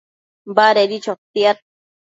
Badedi chotiad